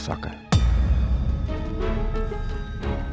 masa kok gak tenang deh mas teguh